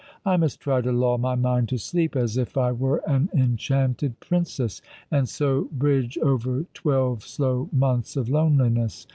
" I must try to lull my mind to sleep, as if I were an en chanted Princess, and so bridge over twelve slow months of loneliness.